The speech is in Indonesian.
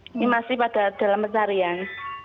ini masih pada dalam pencarian